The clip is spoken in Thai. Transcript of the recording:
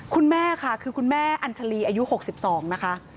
คุณแม่ค่ะคือคุณแม่อัญชาลีอายุ๖๒นะคะ